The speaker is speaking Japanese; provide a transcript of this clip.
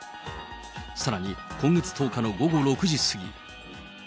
さらに今月１０日の午後６時過ぎ。